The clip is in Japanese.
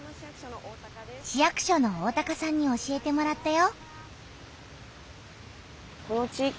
市役所の大さんに教えてもらったよ。